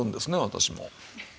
私も。